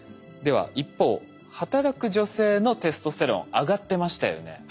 では一方働く女性のテストステロン上がってましたよね。